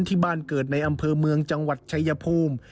ที่บ้านเกิดในอำเภอเมืองจังหวัดชายภูมิ